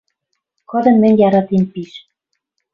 Кыдым мӹнь яратем пиш.